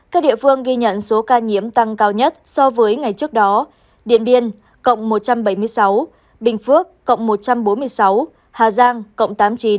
các địa phương ghi nhận số ca nhiễm tăng cao nhất so với ngày trước đó điện biên cộng một trăm bảy mươi sáu bình phước cộng một trăm bốn mươi sáu hà giang cộng tám mươi chín